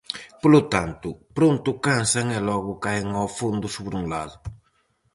Polo tanto, pronto cansan e logo caen ó fondo sobre un lado.